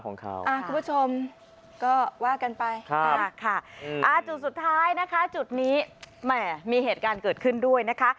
คุณผู้ชมก็ว่ากันไปจุดสุดท้ายนะคะจุดนี้แหมมีเหตุการณ์เกิดขึ้นด้วยนะคะ